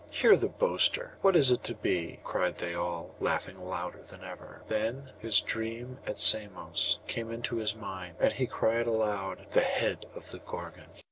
Hear the boaster! What is it to be?' cried they all, laughing louder than ever. Then his dream at Samos came into his mind, and he cried aloud, 'The head of the Gorgon.